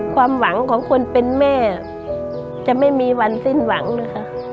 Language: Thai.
ความหวังของคนเป็นแม่จะไม่มีวันสิ้นหวังนะคะ